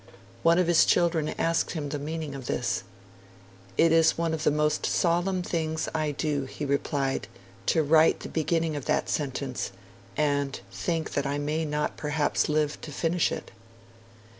One of his children asked him the meaning of this. 'It is one of the most solemn things I do,' he replied, 'to write the beginning of that sentence, and think that I may perhaps not live to finish it.'